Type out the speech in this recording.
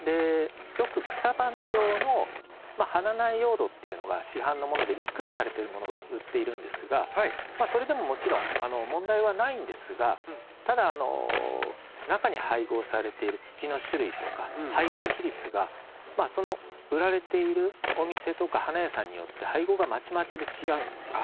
よく草花用のまあ花苗用土っていうのが市販のものでミックスされてるものが売っているんですがそれでももちろん問題はないんですがただ中に配合されている土の種類とか配合比率がその売られているお店とか花屋さんによって配合がまちまちで違うんですよ。